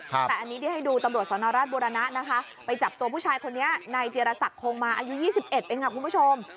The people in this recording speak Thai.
แต่อันนี้ได้ให้ดูตำรวจสนรัฐบุรณะไปจับตัวผู้ชายคนนี้ในเจียรษัตริย์โครงมาอายุ๒๑เองครับคุณผู้ชม